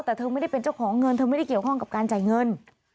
แต่เธอไม่ได้เป็นเจ้าของเงินเธอไม่ได้เกี่ยวข้องกับการจ่ายเงิน